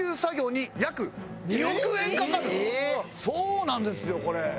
そうなんですよこれ。